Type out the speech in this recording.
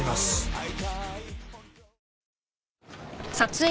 はい。